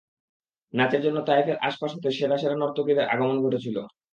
নাচের জন্য তায়েফের আশ-পাশ হতে সেরা সেরা নর্তকীর আগমন ঘটেছিল।